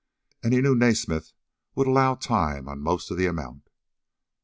And he knew Naismith would allow time on most of the amount.